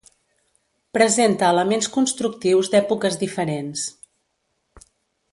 Presenta elements constructius d'èpoques diferents.